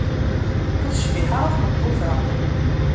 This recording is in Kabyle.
Ur tecbiḥ ara tmeṭṭut-a.